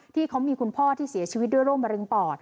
ที่เขามีคุณพ่อที่เสียชีวิตด้วยโรคมะเร็งปอด